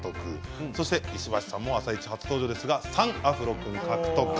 石橋さんも「あさイチ」初登場ですが３アフロ君獲得。